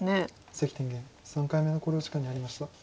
関天元３回目の考慮時間に入りました。